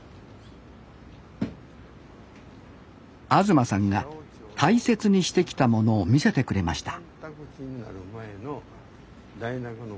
東さんが大切にしてきたものを見せてくれました